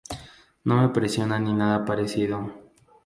No me presiona ni nada parecido.